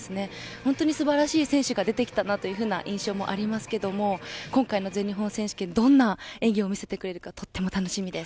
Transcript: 本当に素晴らしい選手が出てきたなという印象もありますけど今回の全日本選手権どんな演技を見せてくれるかとても楽しみです。